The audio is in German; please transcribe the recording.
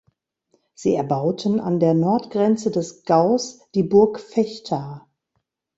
Sie erbauten an der Nordgrenze des Gaus die Burg Vechta.